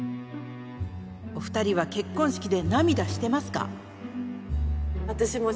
お二人は結婚式で涙してますか？